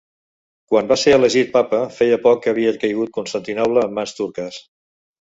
Quan va ser elegit papa feia poc que havia caigut Constantinoble en mans turques.